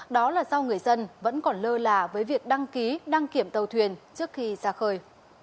đó là do người dân vẫn còn lơ là với việc đăng ký đăng kiểm tàu thuyền trước khi ra khơi